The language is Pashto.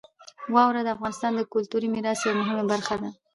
واوره د افغانستان د کلتوري میراث یوه مهمه برخه ده.